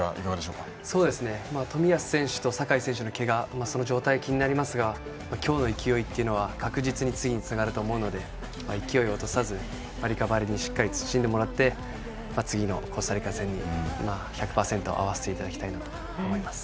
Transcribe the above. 冨安選手と酒井選手のけがの状態も気になりますが、今日の勢いは確実に次につながると思うので勢いを落とさずしっかり休んでもらって次のコスタリカ戦に１００％を合わせていただきたいと思います。